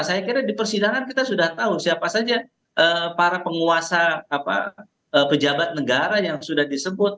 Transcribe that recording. saya kira di persidangan kita sudah tahu siapa saja para penguasa pejabat negara yang sudah disebut